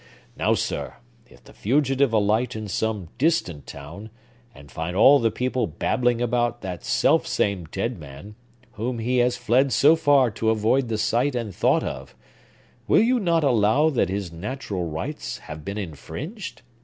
Now, sir, if the fugitive alight in some distant town, and find all the people babbling about that self same dead man, whom he has fled so far to avoid the sight and thought of, will you not allow that his natural rights have been infringed?